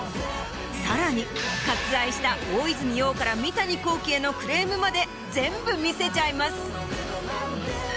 さらに割愛した大泉洋から三谷幸喜へのクレームまで全部見せちゃいます。